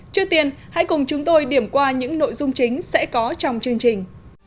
trước tiên hãy cùng chúng tôi điểm qua những nội dung chính sẽ có trong chương trình